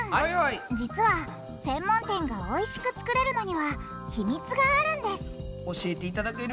実は専門店がおいしく作れるのには秘密があるんです教えていただける？